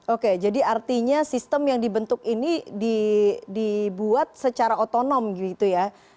oke jadi artinya sistem yang dibentuk ini dibuat secara otonom gitu ya